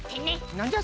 なんじゃ？